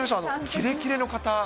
キレキレの方。